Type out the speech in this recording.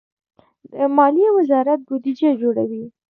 مالیې وزارت بودجه جوړوي